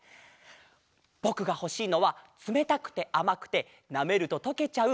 ぼくがほしいのはつめたくてあまくてなめるととけちゃう